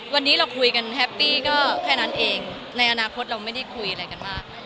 วันนี้เราคุยกันแฮปปี้ก็แค่นั้นเองในอนาคตเราไม่ได้คุยอะไรกันมาก